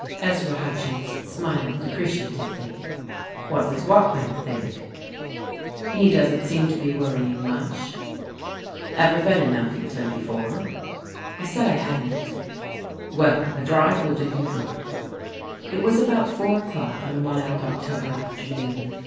Ezra Hutchins smiled appreciatively. "What does Watling think?" "He doesn't seem to be worrying much." "Ever been in Elkington before?" I said I hadn't. "Well, a drive will do you good." It was about four o'clock on a mild October afternoon.